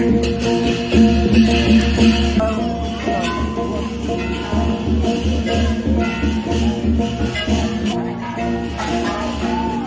สมมติว่าได้รับมื้อชีวิต